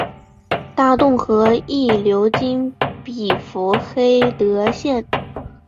大洞河亦流经比弗黑德县。